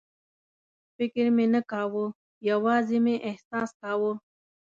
فکر مې نه کاوه، یوازې مې احساس کاوه.